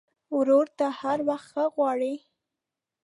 ورور ته هر وخت ښه غواړې.